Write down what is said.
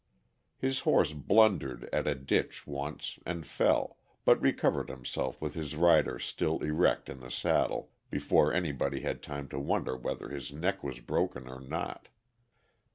His horse blundered at a ditch once and fell, but recovered himself with his rider still erect in the saddle, before anybody had time to wonder whether his neck was broken or not.